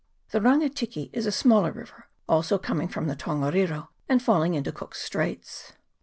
The Rangatiki is a smaller river, also coming from the Tongariro, and falling into Cook's Straits.